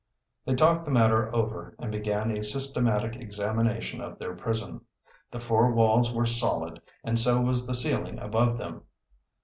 They talked the matter over and began a systematic examination of their prison. The four walls were solid and so was the ceiling above them.